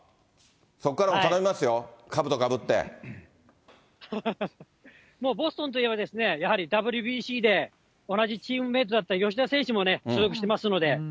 そこからも頼みますよ、もうボストンといえば、やはりＷＢＣで同じチームメートだった吉田選手も所属してますんで。